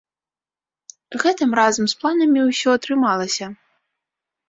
Гэтым разам з планамі ўсё атрымалася.